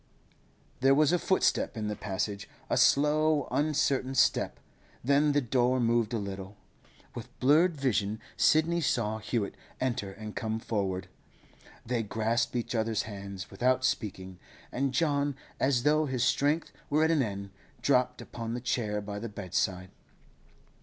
There was a footstep in the passage, a slow, uncertain step; then the door moved a little. With blurred vision Sidney saw Hewett enter and come forward. They grasped each other's hands without speaking, and John, as though his strength were at an end, dropped upon the chair by the bedside.